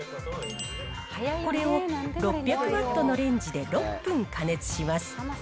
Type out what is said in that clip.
これを６００ワットのレンジで６分加熱します。